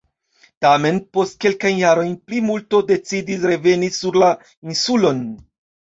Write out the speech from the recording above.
Tamen, post kelkajn jarojn, plimulto decidis reveni sur la insulon.